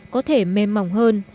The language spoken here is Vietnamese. có thể mềm mỏng hơn